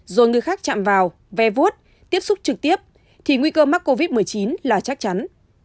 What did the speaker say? nếu người tiếp xúc vào ve vuốt tiếp xúc trực tiếp thì nguy cơ mắc covid một mươi chín là chắc chắn